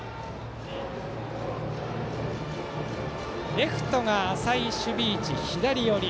レフトが浅い守備位置、左寄り。